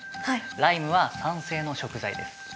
ライムは酸性の食材です。